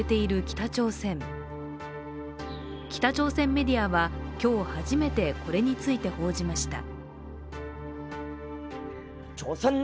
北朝鮮メディアは今日初めてこれについて報じました。